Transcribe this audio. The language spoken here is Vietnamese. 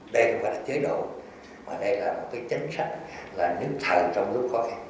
đây không phải là chế độ mà đây là một cái chính sách là những thần trong nước khỏi